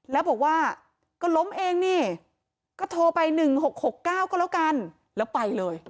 แล้วบอกว่าก็ล้มเองนี่ก็โทรไป๑๖๖๙ก็แล้วกันแล้วไปเลย